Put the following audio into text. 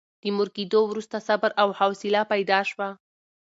د مور کېدو وروسته صبر او حوصله پیدا شوه.